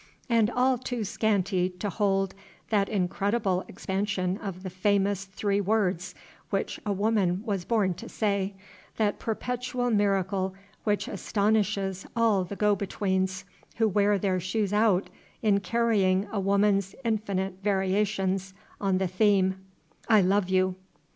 and all too scanty to hold that incredible expansion of the famous three words which a woman was born to say, that perpetual miracle which astonishes all the go betweens who wear their shoes out in carrying a woman's infinite variations on the theme "I love you."